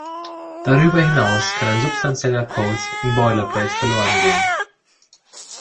Darüber hinaus kann ein substanzieller Code im Boilerplate verloren gehen.